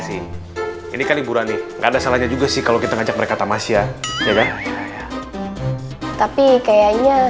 sih ini kali burani ensuring aja juga sih kalo kita ajak mereka tamasya yakin tapi kaya dua aja